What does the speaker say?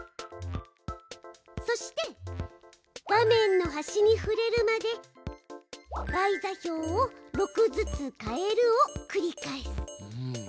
そして画面の端に触れるまで「Ｙ座標を６ずつ変える」を繰り返す。